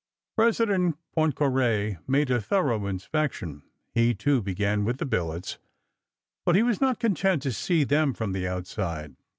President Poincaré made a thorough inspection. He, too, began with the billets, but he was not content to see them from the outside.